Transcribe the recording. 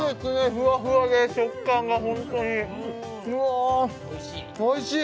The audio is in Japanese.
ふわふわで食感がホントにうわおいしい？